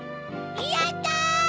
やった！